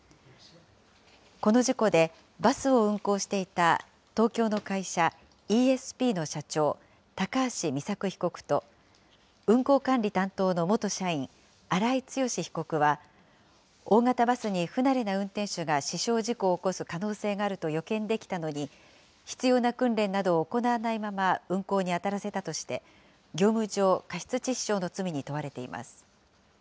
この事故で、バスを運行していた東京の会社、イーエスピーの社長、高橋美作被告と運行管理担当の元社員、荒井強被告は、大型バスに不慣れな運転手が死傷事故を起こす可能性があると予見できたのに、必要な訓練などを行わないまま運行に当たらせたとして、業務上過失致死傷の罪に問われています。